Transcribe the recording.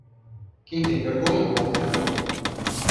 Quem tem vergonha morre de fome.